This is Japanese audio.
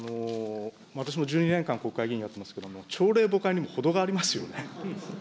私も１２年間、国会議員やってますけれども、朝令暮改にもほどがありますよね。